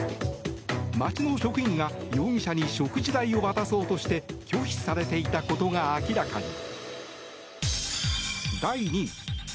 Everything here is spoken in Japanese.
町の職員が容疑者に食事代を渡そうとして拒否されていたことが明らかに。